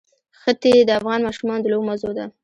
ښتې د افغان ماشومانو د لوبو موضوع ده.